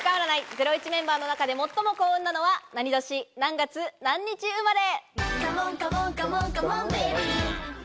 『ゼロイチ』メンバーの中で最も幸運なのは何年、何月何日生まれ。